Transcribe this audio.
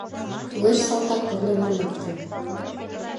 Тулеш салтак корно варналтын